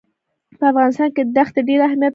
په افغانستان کې دښتې ډېر اهمیت لري.